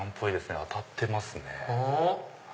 当たってますね。